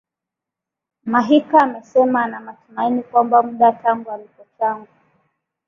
mahika amesema ana matumaini kwamba muda tangu alipochangu